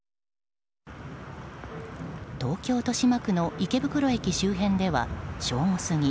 東京・豊島区の池袋駅周辺では正午過ぎ